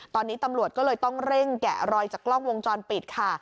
ตอนนี้ตำรวจก็เลยต้องเร่งแกะรอยจากกล้องวงจรปิดค่ะ